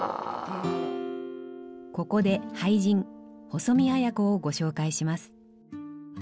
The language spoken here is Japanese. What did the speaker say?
ここで俳人細見綾子をご紹介します。